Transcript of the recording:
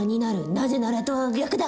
「なぜなら」とは逆だ。